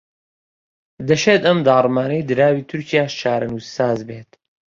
دەشێت ئەم داڕمانەی دراوی تورکیاش چارەنووسساز بێت